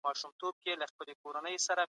ټولنیز نظم د هر چا په خیر دی.